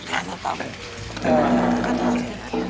keren banget pak